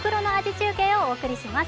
中継をお送りします。